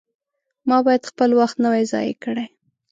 ما باید خپل وخت نه وای ضایع کړی.